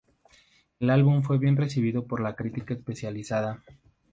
El álbum fue bien recibido por la crítica especializada.